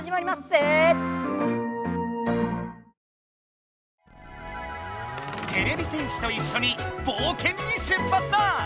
てれび戦士といっしょにぼうけんに出発だ！